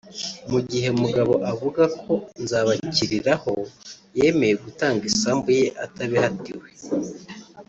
Mu gihe Mugabo avuga ko Nzabakiriraho yemeye gutanga isambu ye atabihatiwe